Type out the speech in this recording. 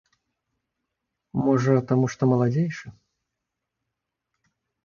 Можа, таму што маладзейшы.